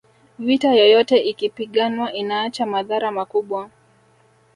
vita yoyote ikipiganwa inaacha madhara makubwa